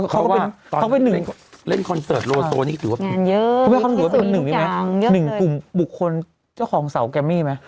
เพราะว่าเมื่อเขาเป็นของปุกคนเจ้าของเซาแกมมี่มั้ย